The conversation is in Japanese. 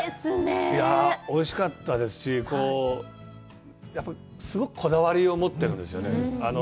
いやぁ、おいしかったですし、すごくこだわりを持っているんですよね。